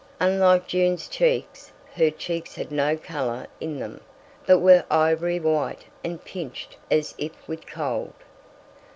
Unlike Jun's cheeks, her cheeks had no colour in them, but were ivory white and pinched as if with cold.